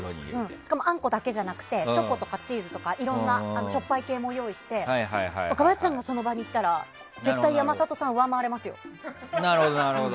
しかも、あんこだけじゃなくてチョコとかチーズとかいろんなしょっぱい系も用意して若林さんが、その場に行ったらなるほど！